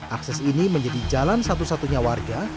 akses ini menjadi jalan satu satunya warga